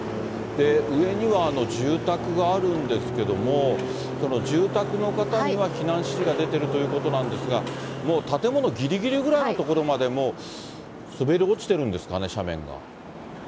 上には住宅があるんですけども、その住宅の方には避難指示が出てるということなんですが、もう建物ぎりぎりぐらいの所まで、もう滑り落ちてるんですかね、斜面が。